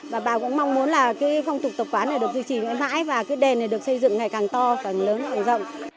và bà cũng mong muốn là cái phong tục tập quán này được duy trì mãi và cái đền này được xây dựng ngày càng to càng lớn càng rộng